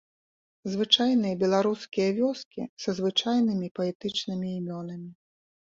Звычайныя беларускія вёскі са звычайнымі паэтычнымі імёнамі.